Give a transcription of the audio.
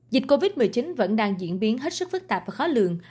dịch covid một mươi chín vẫn đang diễn biến hết sức phức tạp và khó lường